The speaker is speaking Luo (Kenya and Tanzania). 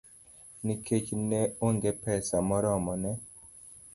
Nikech ne onge pesa moromo, ne